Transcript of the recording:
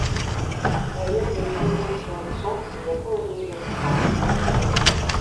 Не ведае, дзе дзецца ад сонца, якое лезе ў твар.